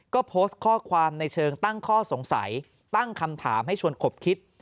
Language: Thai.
ก็โพสต์ข้อความในเชิงตั้งข้อสงสัยตั้งคำถามให้ชวนขบคิด